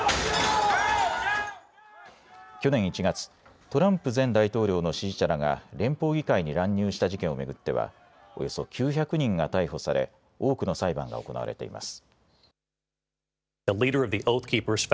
去年１月、トランプ前大統領の支持者らが連邦議会に乱入した事件を巡ってはおよそ９００人が逮捕され多くの裁判が行われています。